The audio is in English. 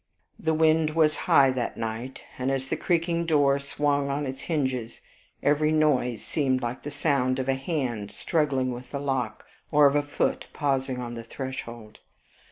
The wind was high that night, and as the creaking door swung on its hinges, every noise seemed like the sound of a hand struggling with the lock, or of a foot pausing on the threshold.